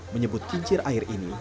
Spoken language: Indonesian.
menyebut kincir air ini